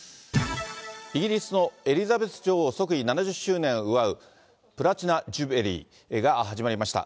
イギリスのエリザベス女王即位７０周年を祝うプラチナ・ジュビリーが始まりました。